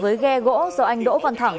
với ghe gỗ do anh đỗ văn thẳng